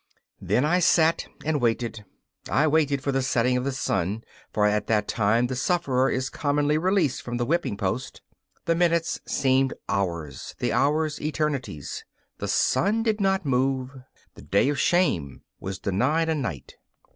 Then I sat and waited. I waited for the setting of the sun, for at that time the sufferer is commonly released from the whipping post. The minutes seemed hours, the hours eternities. The sun did not move; the day of shame was denied a night.